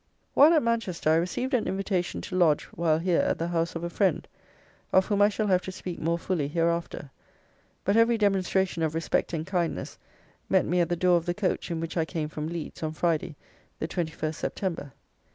While at Manchester, I received an invitation to lodge while here at the house of a friend, of whom I shall have to speak more fully hereafter; but every demonstration of respect and kindness met me at the door of the coach in which I came from Leeds, on Friday, the 21st September.